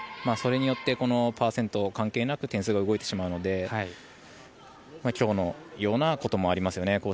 それによってパーセント関係なく点数が動いてしまうので今日のようなこともありますよね。